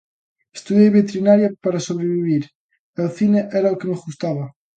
Estudei veterinaria para sobrevivir e o cine era o que me gustaba.